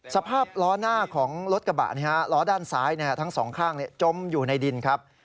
สภาพล้อหน้าของรถกระบะล้อด้านซ้ายทั้งสองข้างจมอยู่ในดินครับ